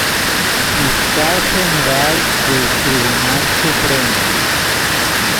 Fiscal general del Tribunal Supremo.